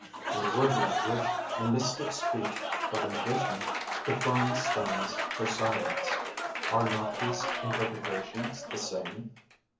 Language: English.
In the wood language, the mystic speech of the Magician, the Fern stands for silence. Are not these interpretations the same?